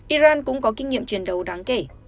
iran cũng có kinh nghiệm chiến đấu